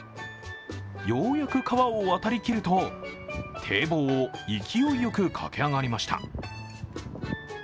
ようやく川を渡り切ると、堤防を勢いよく駆け上がりました。